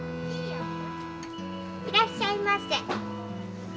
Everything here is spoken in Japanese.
いらっしゃいませ。